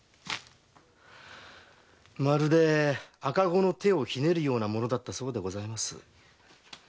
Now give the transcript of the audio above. まるで赤子の手をひねるようなものだったそうです。